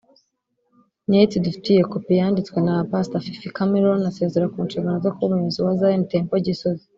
net dufitiye kopi yanditswe na Pastor Fifi Cameron asezera ku nshingano zo kuba umuyobozi wa Zion Temple Gisozi